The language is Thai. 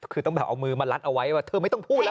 คือต้องแบบเอามือมาลัดเอาไว้ว่าเธอไม่ต้องพูดแล้ว